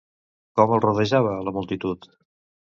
Com el rodejava la multitud?